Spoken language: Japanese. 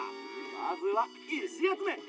まずはいしあつめ！